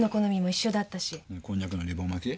こんにゃくのリボン巻き？